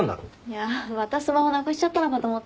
いやぁまたスマホなくしちゃったのかと思った。